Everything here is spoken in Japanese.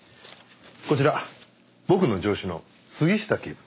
こちら僕の上司の杉下警部。